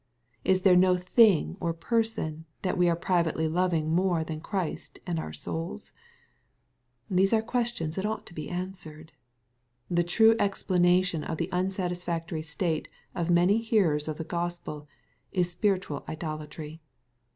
Is there no thing or person that we are privately loving more than Christ and our souls ? These are questions Ihat ought to be answered. The true explanation of the unsatisfactory state of many hearers of the Gospel, is spiritual idolatry.